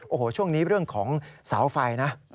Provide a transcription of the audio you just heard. โอ้โหช่วงนี้เรื่องของเสาไฟนะ